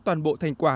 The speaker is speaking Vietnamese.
toàn bộ thành quả